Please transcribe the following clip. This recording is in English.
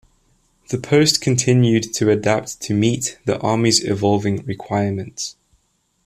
The post continued to adapt to meet the Army's evolving requirements.